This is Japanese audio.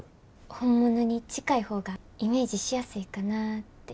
本物に近い方がイメージしやすいかなって。